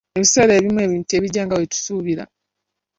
Ebiseera ebimu ebintu tebijja nga bwe tubisuubira.